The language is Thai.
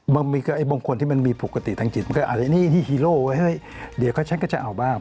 บางคนที่มันมีปกติทางจิตมันก็อาจจะนี่ฮีโร่ไว้เฮ้ยเดี๋ยวฉันก็จะเอาบ้าง